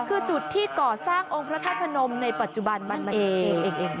คือจุดที่ก่อสร้างองค์พระธาตุพนมในปัจจุบันนั่นเอง